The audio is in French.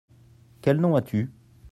Quel nom as-tu ?